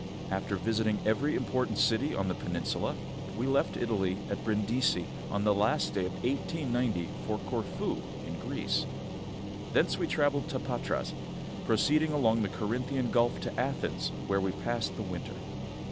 After visiting every important city on the peninsula, we left Italy at Brindisi on the last day of 1 890 for Corfu, in Greece. Thence we traveled to Patras, proceeding along the Corinthian Gulf to [xii] Athens, where we passed the winter.